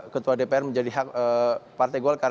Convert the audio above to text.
ketua dpr menjadi hak partai golkar